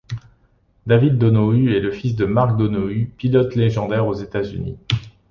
David Donohue est le fils de Mark Donohue, pilote légendaire aux États-Unis.